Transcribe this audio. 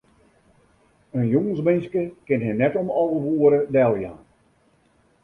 In jûnsminske kin him net om alve oere deljaan.